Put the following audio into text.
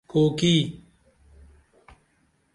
کوکی!